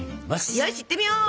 よしいってみよう！